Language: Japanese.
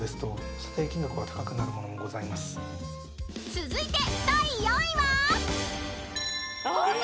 ［続いて第４位は］